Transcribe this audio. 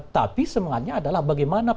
tapi semangatnya adalah bagaimana